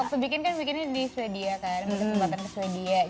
oksubikin kan bikinnya di sweden kan kesempatan di sweden